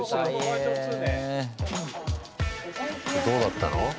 どうだったの？